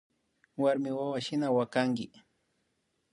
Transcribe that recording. Warmiwawa shina wakanki